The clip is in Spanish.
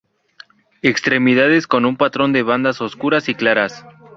Extremidades con un patrón de bandas oscuras y claras.